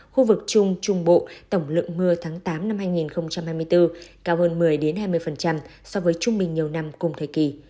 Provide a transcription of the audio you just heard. khu vực trung trung bộ tổng lượng mưa tháng tám năm hai nghìn hai mươi bốn cao hơn một mươi hai mươi so với trung bình nhiều năm cùng thời kỳ